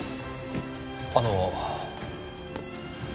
あの。